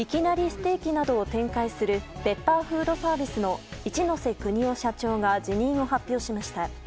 ステーキなどを展開するペッパーフードサービスの一瀬邦夫社長が辞任を発表しました。